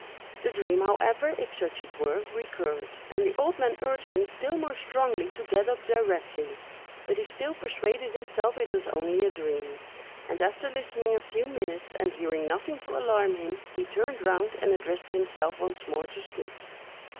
The dream, however, if such it were, recurred, and the old man urged him still more strongly to get up directly; but he still persuaded himself it was only a dream; and after listening a few minutes, and hearing nothing to alarm him, he turned round and addressed himself once more to sleep.